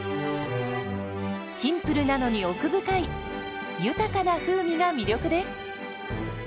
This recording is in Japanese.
シンプルなのに奥深い豊かな風味が魅力です。